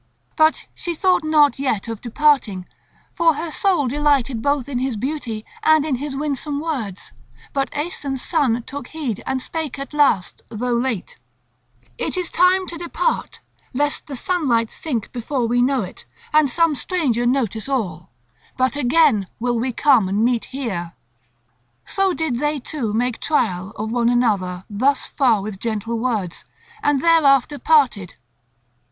But she thought not yet of departing, for her soul delighted both in his beauty and in his winsome words, but Aeson's son took heed, and spake at last, though late: "It is time to depart, lest the sunlight sink before we know it, and some stranger notice all; but again will we come and meet here." So did they two make trial of one another thus far with gentle words; and thereafter parted.